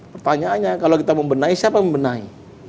pertanyaannya kalau kita membenahi siapa membenahi